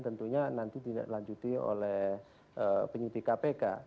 tentunya nanti dilanjuti oleh penyidik kpk